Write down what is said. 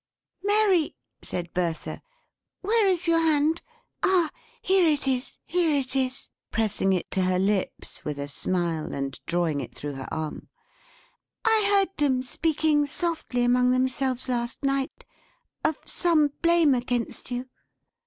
"Mary," said Bertha, "where is your hand! Ah! Here it is; here it is!" pressing it to her lips, with a smile, and drawing it through her arm. "I heard them speaking softly among themselves, last night, of some blame against you.